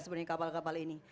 sebenarnya kapal kapal ini